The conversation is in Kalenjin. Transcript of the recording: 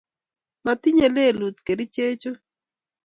motinyei lelut kerichechu